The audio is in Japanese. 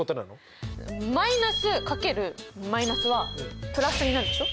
マイナス×マイナスはプラスになるでしょ？